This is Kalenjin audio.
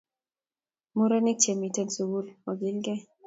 Murenik che miten sukul okilkee